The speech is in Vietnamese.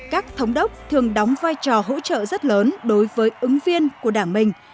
các thống đốc thường đóng vai trò hỗ trợ rất lớn đối với ứng viên của đảng mình